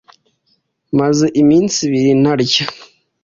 Maze iminsi ibiri ntarya.